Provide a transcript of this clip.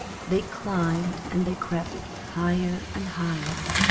They climbed and they crept higher and higher.